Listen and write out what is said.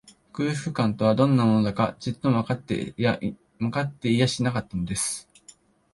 空腹感とは、どんなものだか、ちっともわかっていやしなかったのです